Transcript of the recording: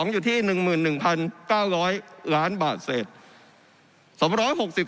๒๖๒อยู่ที่๑๑๙๐๐ล้านบาทเสร็จ